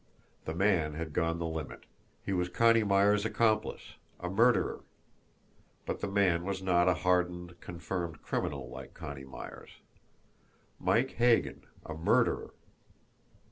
The man had gone the limit; he was Connie Myers' accomplice a murderer! But the man was not a hardened, confirmed criminal like Connie Myers. Mike Hagan a murderer!